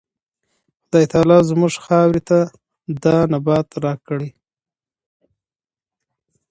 خدای تعالی زموږ خاورې ته دا نبات راکړی.